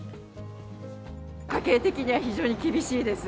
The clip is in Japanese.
家計的には非常に厳しいです。